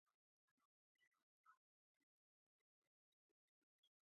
زما پلار دا ځل غنم او شړشم کرلي دي .